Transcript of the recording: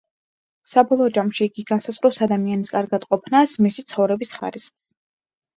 საბოლოო ჯამში იგი განსაზღვრავს ადამიანის კარგად ყოფნას, მისი ცხოვრების ხარისხს.